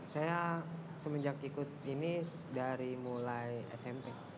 saya semenjak ikut ini dari mulai smp